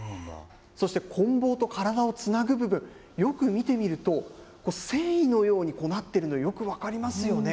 そしてこん棒と体をつなぐ部分、よく見てみると、繊維のようになっているの、よく分かりますよね。